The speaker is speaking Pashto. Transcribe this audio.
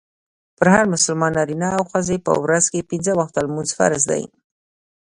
پر هر مسلمان نارينه او ښځي په ورځ کي پنځه وخته لمونځ فرض دئ.